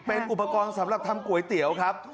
เป็นอุปกรณ์สำหรับทำก๋วยเตี๋ยวครับ